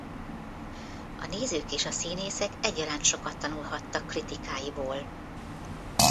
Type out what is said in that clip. A nézők és a színészek egyaránt sokat tanulhattak kritikáiból.